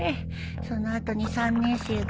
その後に３年生が３人。